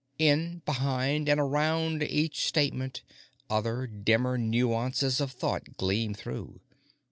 In, behind, and around each statement, other, dimmer nuances of thought gleam through.